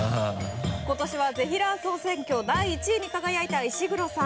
今年は「ぜひらー総選挙」第１位に輝いた石黒さん。